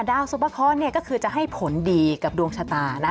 ดาวสุภะเคาะเนี่ยก็คือจะให้ผลดีกับดวงชะตานะ